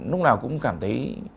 lúc nào cũng cảm thấy